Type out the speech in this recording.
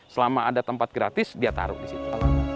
selama ada tempat gratis dia taruh di situ